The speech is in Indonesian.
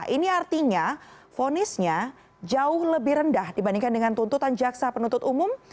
ini artinya fonisnya jauh lebih rendah dibandingkan dengan tuntutan jaksa penuntut umum